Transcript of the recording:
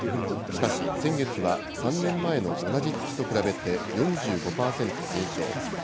しかし先月は、３年前の同じ月と比べて４５％減少。